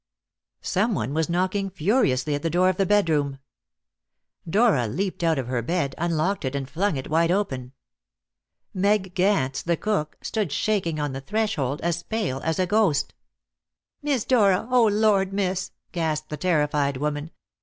Someone was knocking furiously at the door of the bedroom. Dora leaped out of her bed, unlocked it, and flung it wide open. Meg Gance, the cook, stood shaking on the threshold, as pale as a ghost. "Miss Dora! O Lord, miss!" gasped the terrified woman.